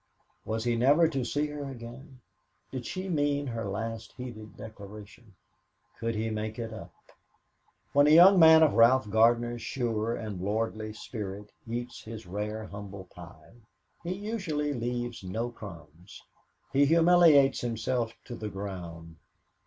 Was he never to see her again? Did she mean her last heated declaration? Could he make it up? When a young man of Ralph Gardner's sure and lordly spirit eats his rare humble pie, he usually leaves no crumbs. He humiliates himself to the ground.